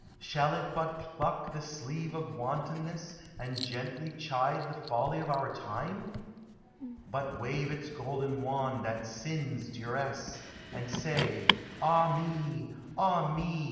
shall it but pluck the sleeve of wantonn< And gently chide the folly of our time? But wave its golden wand at sin's dun 346 POEMS OF SENTIMENT. And say, " Ah me ! ah me